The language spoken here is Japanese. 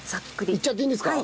いっちゃっていいんですか？